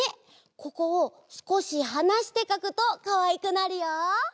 ここをすこしはなしてかくとかわいくなるよ。